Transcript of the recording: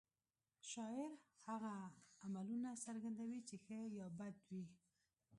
شاعر هغه عملونه څرګندوي چې ښه یا بد وي